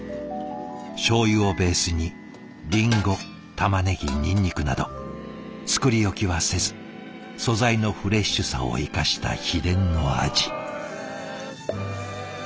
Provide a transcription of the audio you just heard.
しょうゆをベースにりんごたまねぎにんにくなど作り置きはせず素材のフレッシュさを生かした秘伝の味。